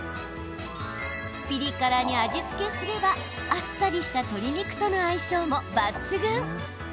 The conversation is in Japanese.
ピリ辛に味付けすればあっさりした鶏肉との相性も抜群！